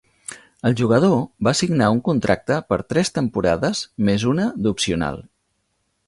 El jugador va signar un contracte per tres temporades més una d'opcional.